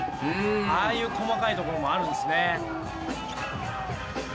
ああいう細かいところもあるんですね。